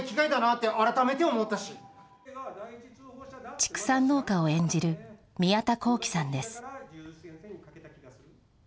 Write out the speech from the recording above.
畜産農家を演じる宮田幸輝さんです。